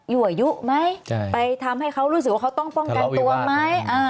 อยู่อายุไหมไปทำให้เขารู้สึกว่าเขาต้องป้องกันตัวไหม